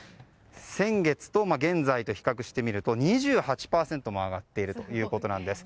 先月と現在と比較してみると２８％も上がっているんです。